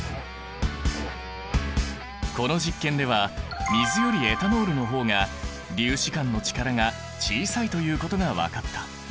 この実験では水よりエタノールの方が粒子間の力が小さいということが分かった。